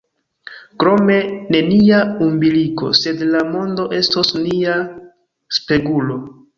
Krome, ne nia umbiliko, sed la mondo estos nia spegulo.